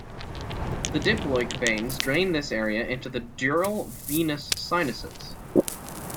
The diploic veins drain this area into the dural venous sinuses.